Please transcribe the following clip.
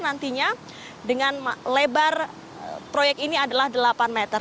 nantinya dengan lebar proyek ini adalah delapan meter